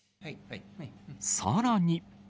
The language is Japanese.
さらに。